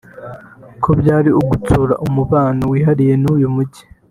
ko byari ugutsura umubano wihariye n’uyu mujyi